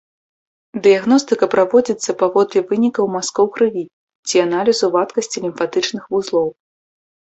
Дыягностыка праводзіцца паводле вынікаў мазкоў крыві ці аналізу вадкасці лімфатычных вузлоў.